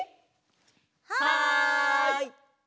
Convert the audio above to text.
はい！